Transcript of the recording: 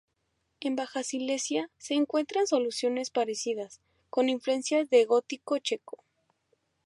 En Baja Silesia se encuentran soluciones parecidas, con influencias del Gótico checo.